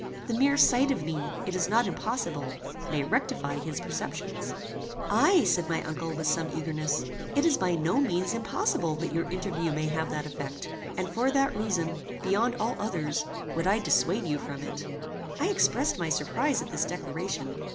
The mere sight of me, it is not impossible, may rectify his perceptions." "Ay," said my uncle, with some eagerness; "it is by no means impossible that your interview may have that effect; and for that reason, beyond all others, would I dissuade you from it." I expressed my surprize at this declaration.